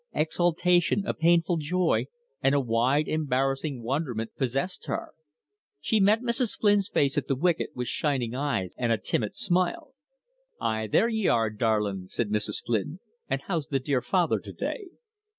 Exaltation, a painful joy, and a wide embarrassing wonderment possessed her. She met Mrs. Flynn's face at the wicket with shining eyes and a timid smile. "Ah, there y'are, darlin'!" said Mrs. Flynn. "And how's the dear father to day?"